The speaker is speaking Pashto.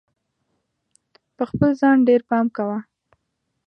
په خپل ځان ډېر پام کوه!